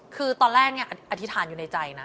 คือตอนแรกเนี่ยอธิษฐานอยู่ในใจนะ